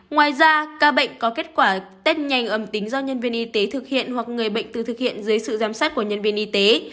ngoài ra ca bệnh có kết quả test nhanh âm tính do nhân viên y tế thực hiện hoặc người bệnh tự thực hiện dưới sự giám sát của nhân viên y tế